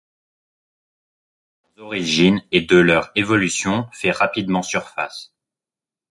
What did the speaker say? La question de leur origine et de leur évolution fait rapidement surface.